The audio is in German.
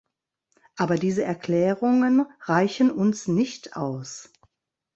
Aber diese Erklärungen reichen uns nicht aus!